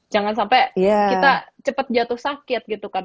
jangan sampai kita cepat jatuh sakit gitu kan